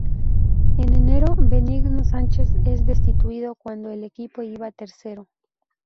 En enero Benigno Sánchez es destituido cuando el equipo iba tercero.